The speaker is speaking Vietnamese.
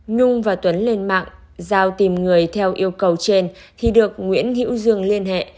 nhung và tuấn lên mạng giao tìm người theo yêu cầu trên thì được nguyễn hữu dương liên hệ